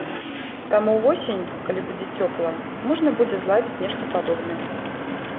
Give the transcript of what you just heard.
Таму ўвосень, калі будзе цёпла, можна будзе зладзіць нешта падобнае.